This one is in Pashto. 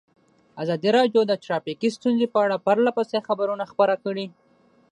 ازادي راډیو د ټرافیکي ستونزې په اړه پرله پسې خبرونه خپاره کړي.